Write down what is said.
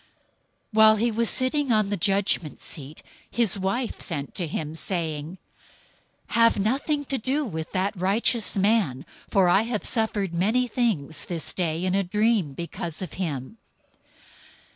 027:019 While he was sitting on the judgment seat, his wife sent to him, saying, "Have nothing to do with that righteous man, for I have suffered many things this day in a dream because of him."